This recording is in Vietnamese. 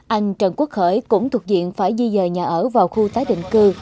anh trần quốc khởi cũng thuộc diện phải di dời nhà ở vào khu tái định cư